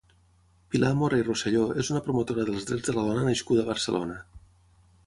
Pilar Mora i Roselló és una promotora dels drets de la dona nascuda a Barcelona.